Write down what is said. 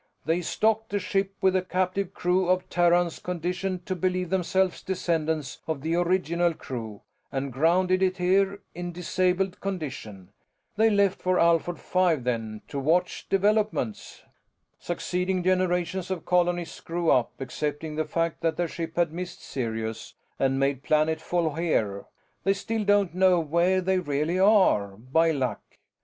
They stocked the ship with a captive crew of Terrans conditioned to believe themselves descendants of the original crew, and grounded it here in disabled condition. They left for Alphard Five then, to watch developments. "Succeeding generations of colonists grew up accepting the fact that their ship had missed Sirius and made planetfall here they still don't know where they really are by luck.